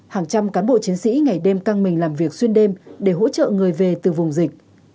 hàng trăm cán bộ chiến sĩ ngày đêm căng mình làm việc xuyên đêm để hỗ trợ người về từ vùng dịch